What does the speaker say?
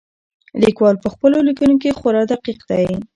لیکوال په خپلو لیکنو کې خورا دقیق دی.